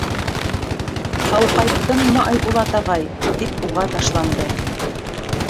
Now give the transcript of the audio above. — Һау ҡайттыңмы, Айбулат ағай? — тип, уға ташланды.